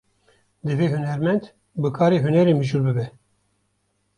Divê hunermend, bi karê hunerê mijûl bibe